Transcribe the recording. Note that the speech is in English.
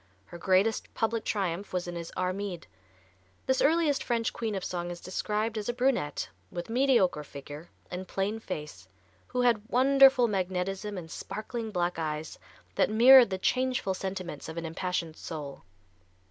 Her greatest public triumph was in his "Armide." This earliest French queen of song is described as a brunette, with mediocre figure and plain face, who had wonderful magnetism and sparkling black eyes that mirrored the changeful sentiments of an impassioned soul.